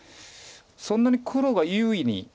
そんなに黒が優位に。